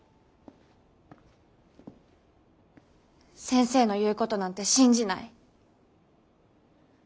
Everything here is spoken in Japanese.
先生の言うことなんて信じない。